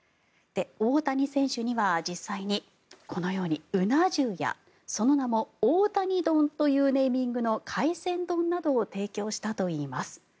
大谷選手には実際にこのように、うな重やその名も大谷丼というネーミングの海鮮丼などを提供したといいます。